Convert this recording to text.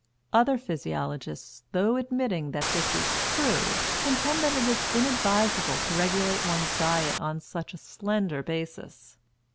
Other physiologists, though admitting that this is true, contend that it is inadvisable to regulate one's diet on such a slender basis.